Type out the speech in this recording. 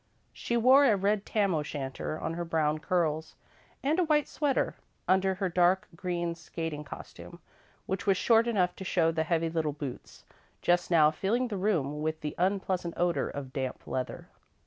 She wore a red tam o' shanter on her brown curls and a white sweater under her dark green skating costume, which was short enough to show the heavy little boots, just now filling the room with the unpleasant odour of damp leather.